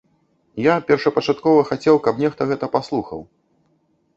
Я першапачаткова хацеў, каб нехта гэта паслухаў.